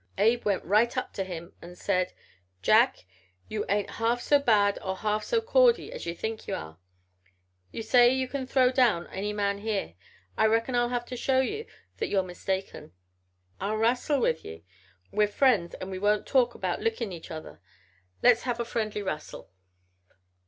Abe went right up to him an' said: "'Jack, you ain't half so bad or half so cordy as ye think ye are. You say you can throw down any man here. I reckon I'll have to show ye that you're mistaken. I'll rassle with ye. We're friends an' we won't talk about lickin' each other. Le's have a friendly rassle.'